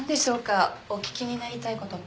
お聞きになりたい事って。